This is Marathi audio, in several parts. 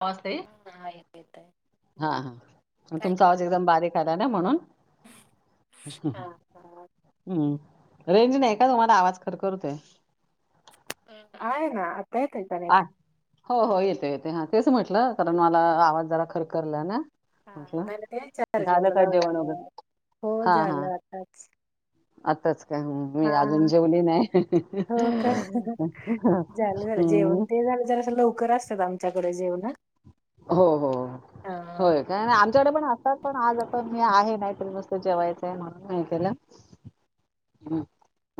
ज [unintelligible] हा येत येत आहे हा बोल ह काय तुमचा आवाज करायला एकदम बारीक आला ना म्हणून हम्म हा हम्म रेंज नाही. काय होन आवाज खरखर होत हे. हाय ना, येतय का अ नेट हो हो ये ते ते हा तेच म्हटलं कारण मला आवाज जरा खरखरला ना हा म्हटलं ते झालं चार्जिंगला काय जेवण लावल्यामुळे वगैरे हो झालं आताच. आत्ताचं. त्या मी हा अजून जेवले नाही. हो का झालं झालं जेवण हम्म, ते झालं जरा सा लवकर सगळं आमच्याकडे जेवणार? हो हो होय का आ तेवडे पण असतात पण आज पण मी आहे नाही तरी मस्त जेवायचं आहे म्हणून नाय केला हम्म.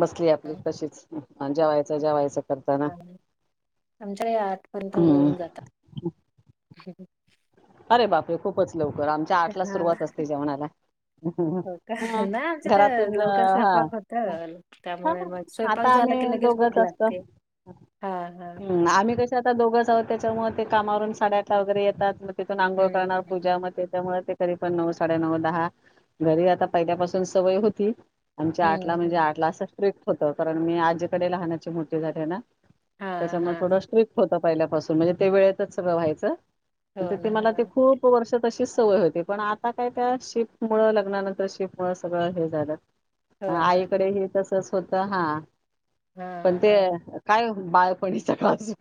बसली आपली तशीच हा जेवायचं जेवायचं. करताना आमच्याकडे आठपर्यंत हम्म होऊन जातात. ह अरे बाप रे खूपच लवकर आमच्या आठला हा सुरुवात असते जेवणाला, हो का नाही आमच्या तर घरातून लवकर हा स्वयंपाक होत त्यामुळे मग स्वयंपाक आता झाला की आम्ही लगेच भूक दोघच लागते असतं, हा हा आम्ही कसं आता दोघच आहेत त्याच्यामुळे ते कामावरून साडे अठाला वगैरे येतात. तिथून आंघोळ करणार हम्म पूजा म ते तर म ते तरी पण नऊ साडेनऊ दहा घरी आता पहिल्यापासून सवय होती. आमच्या हम्म आठला म्हणजे हम्म आठला असं स्ट्रिक्ट होत कारण मी आजीकडे लहानाची मोठी झाली आहे ना हां, तसं म हां. थोडं स्ट्रिक होत त पहिल्यापासून म्हणजे ते वेळेतच सगळं व्हायचं. हो तेथे ते ना, मला ते हां. खूप वर्षात तशीच सवय होती पण आता काय त्या शिप मुळं लग्नानंतर शिप मुळं सगळं हे झालं. हो हा ना. आईकडे हे तसं च होत हा. पण हां, ते काय बाळ पणी सखासू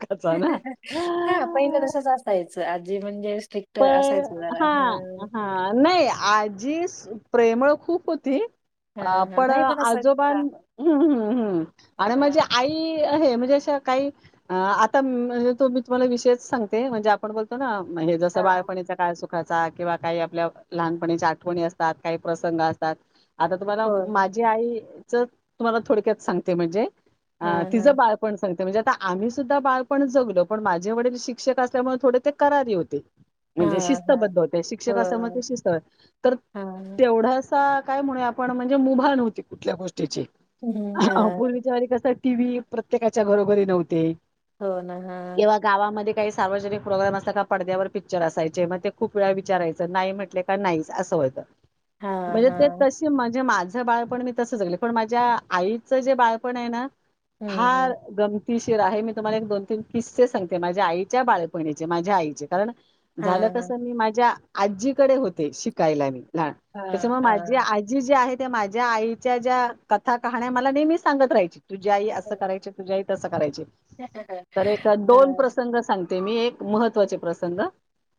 हा पहिलं तसच असायचं आजी म्हणजे स्ट्रिक्ट असायचं पण जरा. हा हां, हा नाही आजीस प्रेमळ खूप होती- अ हां, हां. पण नाही असं का आजोबान्मम् हां, अरे हां, म्हणजे आई- हे म्हणजे अा काही आता त मी तुम्हाला विषयच सांगते म्हणजे आपण बोलतो ना महेश- हां. बालपणीचा काळ सोड- दखचा किंवा काही आपल्या लहानपणीच्या आठवणी असतात काही प्रसंग असतात- आता तुम्हाला हो ना. माझी आई- ज तुम्हाला थोडक्यात सांगते म्हणजे. अ हां, तिचं हां. बाळपण- आता म्हणजे आता आम्ही सुद्धा बाळपण जगलो पण माझे वडील शिक्षक असल्यामुळे थोडे ते करारी होते. म्हणजे हां, हां. शिस्तबद्ध होते शिक्षकास म हो. शिस्त तर हां. तेवढाच- काय म्ह आपण म्हणजे मुभा न होती कुठल्या गोष्ट- हं, हां. पूर्वीच्या व कस टी व्- प्रत्येकाच्या घरोघरी नव्हते. हो ना हा किंवा गावामध्ये काही सार्वजनिक प्रोग्रम असात का पडद्यावर- पिक्चर असायचे मग ते खूप वेळा विचारायचं नाही म्हटले का नाही असं होतं. हां, म्हणजे ते हां. तशी म्हणजे माझी- माझ बाळपण मी तस जगले पण माझ्या आईचं जे बाळपण जे हे ना हं, हा हं. गम- ति शिर आहे मी तुम्हाला एक दोन तीन किस्से सांगते माझ्या आईच्या बाळपणीचे माझ्या आईचे तर - झालं हां, कस हां. मी माझ्या- आजीकडे होते शिकायला मी. लान त्याच्या हां, मग माझी हां. आजी जे आहे- त्या माझ्या आईच्या ज्या कथा कहाण्या मला नेहमी सांगत राहायची. तुझ्याई असं हां, करायच तुझ्या- तसं करायचे- हां, तर एक दोन प्रसंग सांगते. ते मी एक महत्त्वाचे प्रसंग-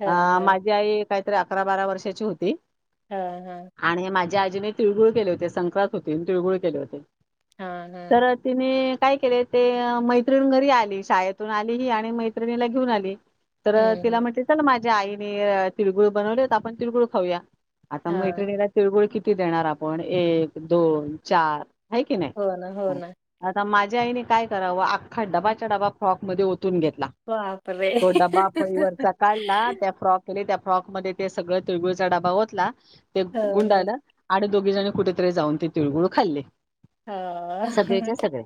आ हां. माझी आई- काहीतरी अकरा बारा वर्षाची होती. हा हा ज्याजीने तळगुळ केले होते संक्रांत होतीने तिळगुळ केले होते हां, हां. तर तिने काय केले ते मैत्रिण घरी आली शाळेतून आली ही आणि मैत्रिणीला घेऊन आली तर हं, तिला हं. म्हट. माझ्या आईने तिळगुळ बनवले होत आपण तिळगळ खाऊया. आता मग हां. इटेला तिळगुळ क ती देणार आपण एक दोन चार आहे की नाही हो ना, हो ना. आता माझ. ईने काय करावं. ा डबाचा डबा फ्रॉक मध्ये ओतून घेतला बापरे! तो डबा फळीवरचा काढला त्या फ्रॉक त्या फ्रॉक मध्ये सगळ तिळगळचा डबा होतला. ते हो, हो. गुंडाला आणि दोघी जणी कुठेतरी जाऊन ते तिळगुळ खाल्ले. हां, हां. सगळेच्या सगळे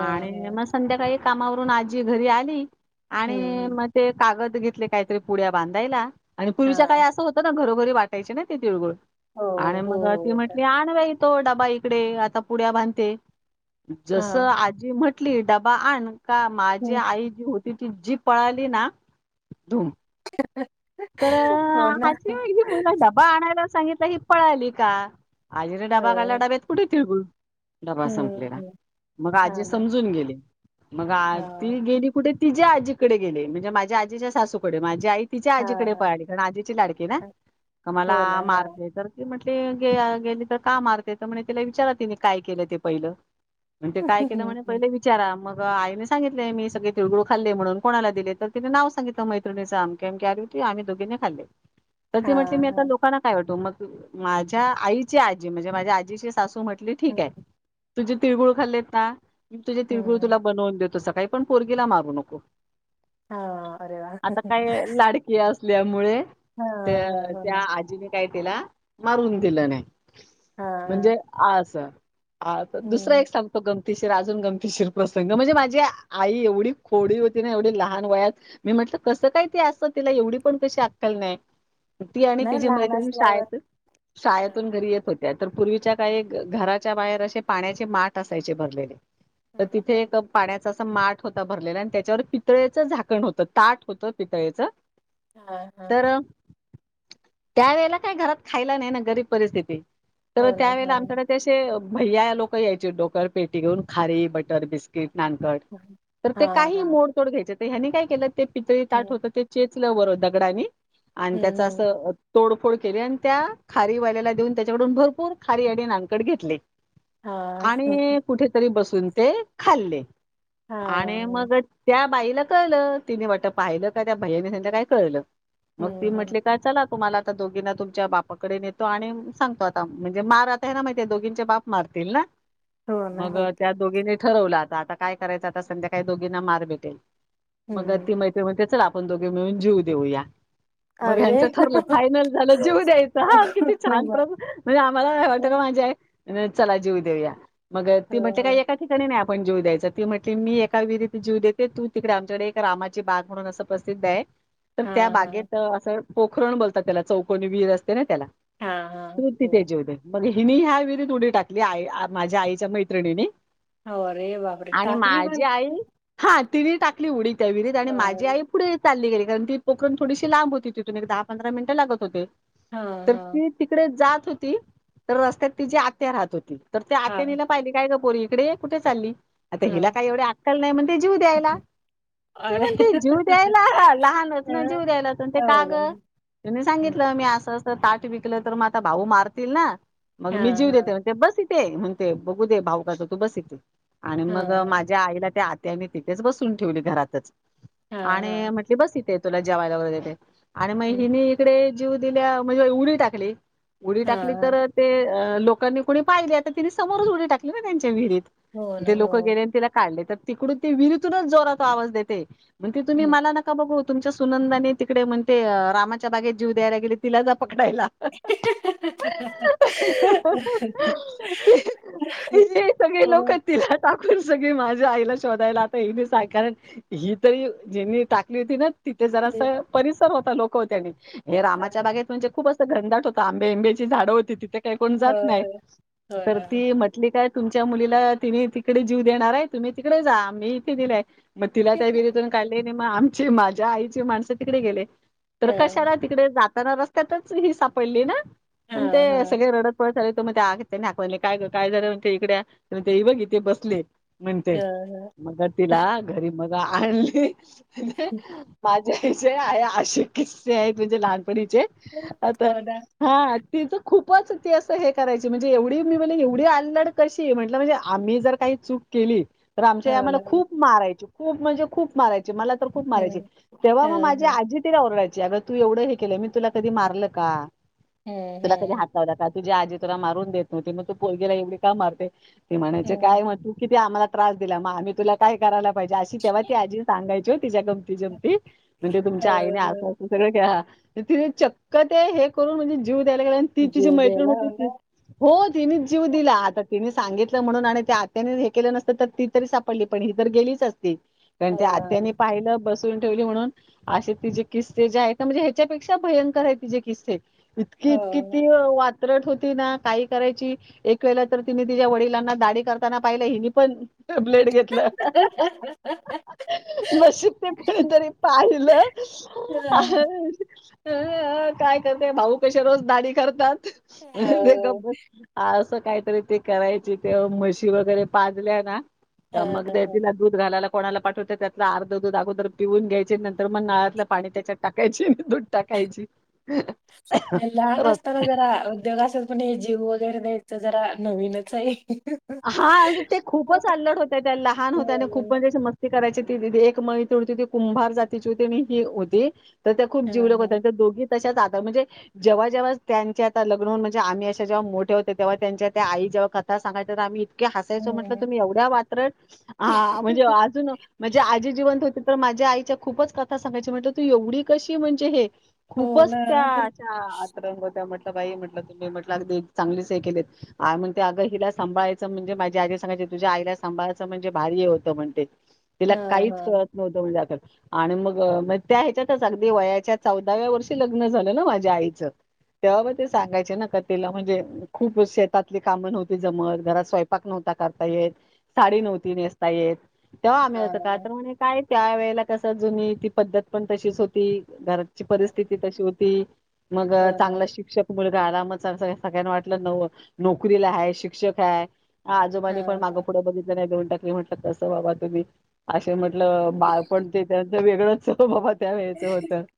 आणि मग संध्याकाळी कामावरून आजी घरी आली. आणि हं. मग ते कागद घेत. काहीतरी पुळ्या बांधायला. आणि पूर्वीच्या काळी हां. असं होत ना घरो. ररी वाटायचे ना ते तळुळ हो, आणि हो, मग ती हो. म्हटली आणवाय. तो डबा इकडे आता पुड्या बांधते. जसं हां. आजी म्हट कली डबा आण. का माझी हं. आई जी होती. ति ती जी पळाली ना. दोम तर हो ना. हाचीगदी मुलग डबा आणायला सांगित ही पळाली का? आजे डबा काला हो. डबेत कुठ तळू. डबा हं, संपलेला हं. मग हां आजी ना. समजून गेली मग आ हां. ती गेली कुठे? तिझ्या आजीकडे गेले म्हणजे माझ्या आजीच्या सासूकडे माझी आई तिच्या आज हां, तडे हां, पली कारण आजीची लाडकी ना हां. का हो ना. मला हां. मारते तरी म्ह ते गेले तर का मारते तर म्हणे त्याला विचारा तिने काय केलं ते पहिलं. म्हण ते काय केलं म्हणे हं. पहिले विचारा मग ग आईने सांगितलंय मी सगळे तिळ गुळ खाल्ले म्हणून कोणाला दिले तर तीने नाव सांगितलं मैत्रणीच आमके, आमके ते आम्ही दोघीने खाल्ले तर ते म्हटले हां, मी आता हां. लोकांना काय वाटू मग माझ्या आईची आजी म्हणजे माझ्या आजीची सासू म्हण हं, ठीक आहे तुझे तिळगुळ खाल्लेत ना तुझे तिळगुळ हं. तुला बनवून देतो सग काही पण पोरगीला मारू नको हा अरे वा! आता काय लाडकी असल्यामुळे तर हो त्या ना. आजीने काय तीला मारून दिलं नाही हां. म्हणजे आस हा तर दुसरा हं. एक सांगतो गम गमतीशीर अजून गमतीशीर प्रसंग म्हणजे माझी आई एवढी खोडी होती ना एवढी लहान वयात मी म्हटलं कसं काय ते असं तिला एवढी पण कशी अक्कल नाही ती आणि नाही तिची लहान मैत्रिणी असल्यावर शाळेत हां. शाळेतून घरी येत होती त्या तर पूर्वीच्या काही घराच्या बाहेर असे पाण्याचे माठ असायचे भरलेले हं, तर तिथे हं. एक पाण्याचा माठ होता भरलेला आणि त्याच्यावर पितळेचं झाकण होतं ताट होतं पितळेचं हा, हा त्या वेळेला काही घरात खायला नाही ना गरीब परिस्थिती तर हो ना. त्यावेेळेला हां. आमच्याडे ते असे भैया लोक यायचे डोक्यावर पेटी घेऊन खारी बटर बिस्किट नानकट हा तर ते काही हा मोडतोड घ्यायचे ह्यांनी काय केलं ते पितळी ताट हम्म होत ते ठेवलं वर दगडाने आणि त्याच हम्म असं तोडफोड केली आणि त्या खारीवाल्याला देऊन त्याच्याकडून भरपूर खारी आणि नानकट घेतले हा हा आणि कुठेतरी बसून ते खाल्ले हा, आणि मग त्या बाईला कळ तिने वाट पाहिलं का? त्या भययानी स काय कळलं. मग हम्म ती हम्म म्हटले काय चला तुमला आता दोघींना तुमच्या बापाकडे नेतो आणि सांगतो आता म्हणजे मार आता आहे ना माहितीे दोघींचे बाप मारतील ना. हो ना मग हो की त्या दोघीनी ठरवला. आता काय करायचं आता संध्याकाही दोघींना मार भेटेल. मग हम्म ती मैत म्हण च म्हण दोघे मिळून जीव देऊ या. मग अरे ह्यांचं ठरलं फायनल झालं जीऊ द्यायचं हा किती छान वा. प्र म्हणजे आम्हाला वाटतं हो. का माझ्या आहे. न चला जीऊ देव्या. मग ती म्हणज काही एका ठिका नाही. पण जीव द्यायचां ते म्हटली मी एका विधीती जीव देते तू तिकडे आमच्याकडे एक रामाची बाग म्हणून अस. प्रसिद्ध आहे. तर हा त्या हा बागेत असं. पोखरण बोलतात त्याला चौकनी वीर अस. तला हा हा तुर्ती हो तेजोवद मग हिनी ह्या विधीत उडी टाकली आई माझ्या आईच्या मैत्रिणीनी होरे वापरे आणि माझी आई ताकलीफ हा तिने टाकली उडी त्या विरीत आणि माझी आई. चालली गे कारण ती पोरण थोडीशी लांब होती तिथून एक दहा पंधरा मिनट लागत होते. हा तर हा ती तिकडे जात. हो तर रस्त्यात तिचीी आत्या राहत होती. तर ते हा आतला पाहिली काय ोरी इकडे आहे कुठे चालली. आता हा हिला काही एवढे आटकल नाही म्हणते जीऊ द्यायला त अरे म्हणते जीऊ द्यायला लहानच ना जीव द्यायला ते काग बरं. तु हम्म. सांगितलं मी असं. ताट विकलं तर मग आता भाऊ मारतील ना. मग हा मी जीव हा देते ते बस. ते म्हणते ते बघू दे भाक तू बसिते आणि हा मग माझ्या आईला त्या आ. त्यांनी तिथेच बसून ठेवले घरातच. हा हा आणि म्हटले बस इथेच. तुला जेवायला वग देते आणि मग हम्म. हि म इकडे जीव दिल्या म्हणजे उडी टाकली उडी हा टाकली हा तर ते लोकांनी कोुणी पाहिली आता तिने समोरच उडी टाकली ना त्यांच्या विहिरीत हो ना तेे लोक हो गेले आणि तिला काढले तर तिकडून ती विहिरीतूनच जोराचा आवाज देते म्हण की तुम्ही हम्म मला नका बघ तुमच्या सुनंदानी तिकडे म्हणते रामाच्या बागेत जीव द्यायला गेले तिला पकडायला सगळे लोक हो तिला सगळी माझ्या आईला शोधायला आता येल स कारण ही तरी ज्यांनी टाकली होती ना तिथे जरा ते परिसर हो लोक होते आणि हे हां, रामाच्या बागेत म्हणजे खूप अस घंदाट होता आंबेंबेची झां होती तिथे काय कोण जात नाही हां, तर हां. ती म्हटली काय तुमच्या मुलीला तिम्ही तिकडे जीव देणार आहे तुम्ही तिकडे जा मीहीथे दिलेय मग िरीतून काढले मग ज माझ्या आईची माणसं तिकडे गेले तर हां, कशाला तिकडे जात त्यां रस्त्यातच ही सापडली ना अ हां, ते हां, सग्या रडत पत मग त्यांनी आकवायले काय काय झारा इकडे ते बघि ते बसले म्हणते हां, हां. मग तिला घरी मग बाली माझ जयसे आहे आशु किस्से आहे तुझे लहान हो आता ना, हा तेच खूप खूपच ती असं हे करायची म्हणजे एवढी मी म्हणज एवढी आलड कशी म्हटलं म्हणजे आम्ही जर काही चूक केली तर आमच्या हो याम्हाला ना. खूप मारायच खूप म्हणज खूप माराच मला तर खूप मारायचे हं, तेव्हा मग हं, माझी आजी तिला ओरयची अगं तू एवढं हे केलं मी तुला कधी मारलं का हं, तुला कधी हं, हं. हात लावला का तुझ्या आजी तुला मारून देत नव्हती मग तू पोरगीला एवढी का मारते ते म्हणाय काय हो, म तु आमला त्रास दिला मग आम्ही तुला काय करायला पाहिजे अशी तेव्हा ती आजी सगायची हो तिच्या गमती जमती म्हणजे तुमच्या आईने हो. असं असं सगळं के तिने चक्क ते हे करून म्हणजे जीव त्यायला गे ती तिची जीव मैत्रण द्यायला होती हो ती ना. हो तिनेच जीव दिला आता तिने सांगितलं म्हणून आणि त्या आत्याने हे केलं नसतं तर ती तरी सापडली पण ही तर गेली कारण हो त्या ना. आत्यानी पाहिलं ब ठेव म्हणून असे ति जे किस्से जे आहेत म्हणजे ह्याच्यापेक्षा भयंकर आहे ति जे किस्से इतकी इतकी हो. ती वा वत्रट होती ना काही करायची एक वेळे तर तिने तिच्या वडिलांना दाडी करताना पाहिलं हिनी पण ब्लेड घेतलं नशीब ते कोणीतरी पाहिलं हां, अ काय करते भाऊ कसे रोज दाडी करतात ते हां, गब आ काहीतरी ते करायचे तेव्हा म्हशी वगैरे पाजल्या ना त हां. मगद तिला दूध घालाला कोणाला पाठवत त्यातलं अर्ध दूध अगोदर पिऊून घ्यायचे नंतर मग नळातलं पाणी त्याच्यात टाकायची दूध टाकायची लहान असताना जरा उद्योग असत पण ही जे जीव वगैरे द्यायचं जरा नवीनच आहे हा म्हणजे ते खूपच अल्लड होत्या हो ना. तथे एक मैत्री होती ती कुंभार जातीची होती आणि ही होती तर त्या खूप हां, जीवलग हां. होत्या दोघी तश्याच आता म्हणजे जेव्हा जेव्हा त्यांचे आता लग्नन म्हणजे आम्ही अशा जेव्हा मोठे होते तेव्हा त्यांच्या त्या आई जेव्हा कथा सांगा तर आम्ही हयच म्हटलं हं. तुम्ही एवढ्या वात्रट म्हणजे अजून म्हणजे आजी जिवंत हो तर माझ्या आईच्या खूपच कथा सांगायची म्हटलं तू एवढी कशी म्हणजे हे हो खूपच ना. त्या अशा आतरंग होत्या बाई म्हटलं तुम्ही म्हटलंदी चांगलेच हे केले म्हण हिला सांभायचं म्हणजे माझी आी सांगायची तुझ्या आई सांभाळायच म्हणजे भारीय होतं म्हणते तिला हां, काहीच हां. कळत नव्हतं म्हणजे आता आणि मग म त्या ह्याच्यातच अगदी वयाच्या चौदाव्या वर्षी लग्न झालं ना माझ्या आईच तेव्हा ते सांगायचे ना का तेला म्हणजे खूप शेतातले कामण होते जमत घरात स्वयंपाक नव्हता करता येतं साडी हां. नव्हती नेसता येतं. तेव्हाआ मिळत हां, होतं आता तर म्हणे काय? त्या वेळेला कसं जुनी ती पद्धत पण तशीच होती. घरची हां. परिस्थिती तशी होती. ती. मग अ हो ना. चांगला शिक्षक मुल [unintelligible] मग सग सग सगळ्यांना वाटलं नो नोकरीला हाये शिक्ष क्षक हाय. आजोबांनी हां, पण मागें हां. पुढं बघितलं नाही देऊन मी म्हटल कंस वा बा तुम्ही आशे म्हण त बाळपण ते त्यांचं वेगळं अस [unintelligible] [unintelligible]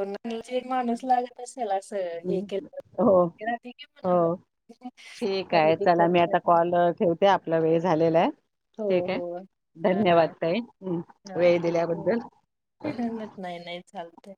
म्हंजे एक माणूस लागत असेल असं. हे केलं हो भीती राहते की हो मनामध्ये ठीक आहे. खरेदी चला मी आता करताना. कॉल अ ठेवते आपल्या वेळ झा झालेला आहे. हो, ठीक आहे हो. हां, धन्यवाद ताई हम्म हां. वेळ ठीक आहे. दिल्याबद्दल. नाही, नाही चालतंय.